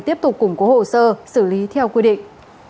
tiếp tục củng cố hồ sơ xử lý theo quy định